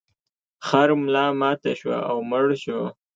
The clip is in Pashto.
خر ملا ماته شوه او مړ شو.